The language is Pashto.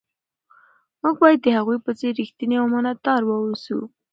موږ باید د هغوی په څیر ریښتیني او امانتدار واوسو.